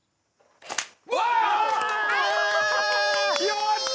やった！